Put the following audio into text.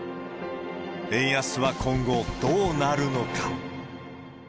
円安は今後、どうなるのか。